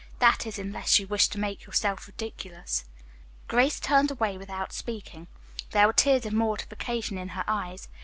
"That is, unless you wish to make yourself ridiculous." Grace turned away without speaking. There were tears of mortification in her eyes.